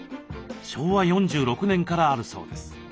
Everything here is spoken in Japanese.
昭和４６年からあるそうです。